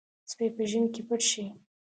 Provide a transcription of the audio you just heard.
سپي په ژمي کې پټ شي.